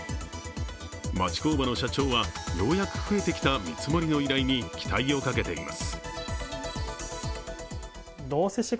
町工場の社長はようやく増えてきた見積もりの依頼に期待をかけています。